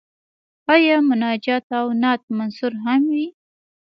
آیا مناجات او نعت منثور هم وي؟